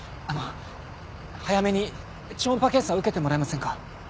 あの早めに超音波検査を受けてもらえませんか？